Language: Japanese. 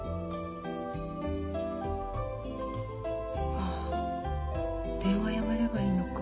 ああ電話やめればいいのか。